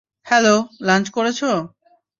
Hello, -lunch করেছ?